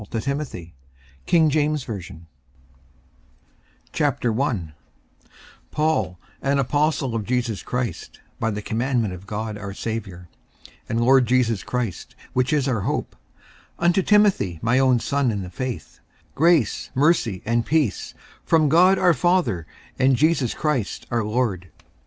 Amen. BOOK 54 1 Timothy 54:001:001 Paul, an apostle of Jesus Christ by the commandment of God our Saviour, and Lord Jesus Christ, which is our hope; 54:001:002 Unto Timothy, my own son in the faith: Grace, mercy, and peace, from God our Father and Jesus Christ our Lord.